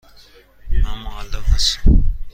من معلم هستم.